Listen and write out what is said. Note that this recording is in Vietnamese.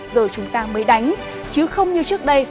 giờ chúng ta mới đánh chứ không như trước đây